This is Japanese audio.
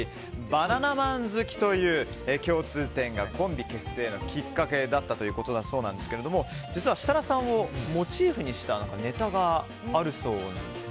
バナナマン好きという共通点がコンビ結成のきっかけだったということですが設楽さんをモチーフにしたネタがあるそうです。